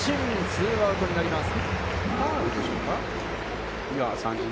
ツーアウトになります。